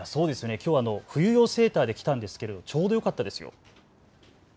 きょうは冬用のセーターで来たんですがちょうどよかったですよ。